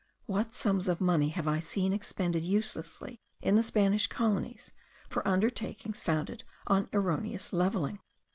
What sums of money have I seen expended uselessly in the Spanish colonies, for undertakings founded on erroneous levelling!